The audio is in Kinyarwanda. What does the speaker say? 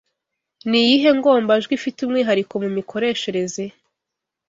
Ni iyihe ngombajwi ifite umwihariko mu mikoreshereze